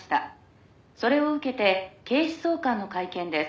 「それを受けて警視総監の会見です」